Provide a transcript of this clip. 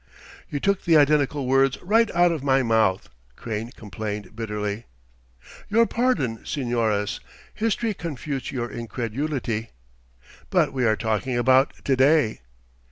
"You took the identical words right out of my mouth," Crane complained bitterly. "Your pardon, señores: history confutes your incredulity." "But we are talking about to day."